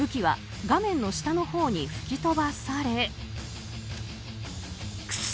武器は画面の下のほうに吹き飛ばされ。